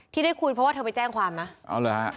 ที่ได้คุยเพราะว่าเธอไปแจ้งความนะเอาเหรอฮะ